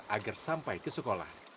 agar sampai ke sekolah